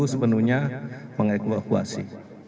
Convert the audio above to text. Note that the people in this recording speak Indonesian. itu sepenuhnya mengekwakuasi